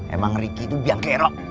emang ricky itu biang kerok